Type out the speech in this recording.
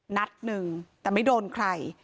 นัดหนึ่งแต่ไม่โดนใคร